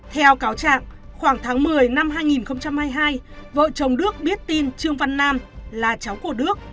theo cáo trạng khoảng tháng một mươi năm hai nghìn hai mươi hai vợ chồng đức biết tin trương văn nam là cháu của đức